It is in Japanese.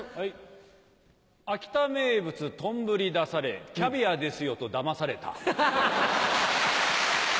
秋田名物とんぶり出され「キャビアですよ」とだまされた。